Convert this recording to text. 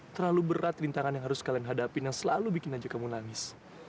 terlalu berat rintangan yang harus kalian hadapin yang selalu bikin aja kamu nangis